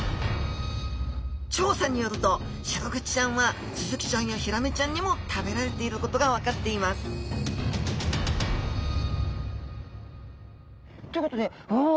調査によるとシログチちゃんはスズキちゃんやヒラメちゃんにも食べられていることが分かっていますということでうわあ！